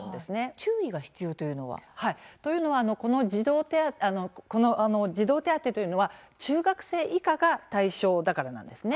注意が必要というのは？というのも児童手当というのは中学生以下が対象だからなんですね。